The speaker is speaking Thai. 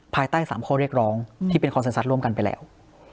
ภายใต้๓ข้อเรียกร้องที่เป็นคอนเซ็นทรัทร่วมกันไปแล้ว